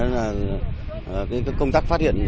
nên công tác phát hiện